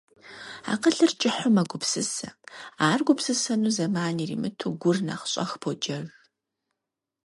Акъылыр кӀыхьу мэгупсысэ, ар гупсысэну зэман иримыту гур нэхъ щӀэх поджэж.